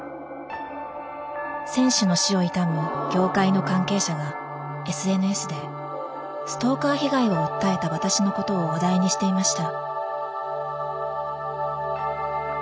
選手の死を悼む業界の関係者がＳＮＳでストーカー被害を訴えた私のことを話題にしていました。